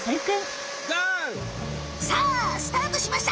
さあスタートしました！